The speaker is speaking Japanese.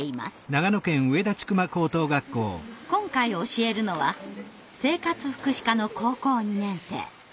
今回教えるのは生活福祉科の高校２年生。